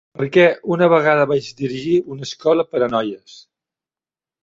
Per què, una vegada vaig dirigir una escola per a noies.